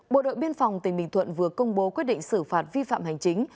bộ đội biên phòng tỉnh bình thuận vừa công bố quyết định xử phạt vi phạm hành chính